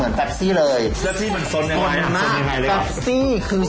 เอี้น่ี่คือ